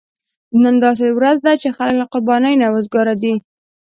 نن داسې ورځ ده چې خلک له قربانۍ نه وزګار دي.